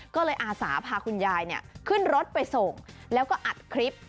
ก็เลยอาสาพาคุณยายขึ้นรถไปส่งแล้วก็อัดคลิป